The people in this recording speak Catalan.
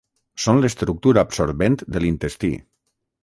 Són l'estructura absorbent de l'intestí.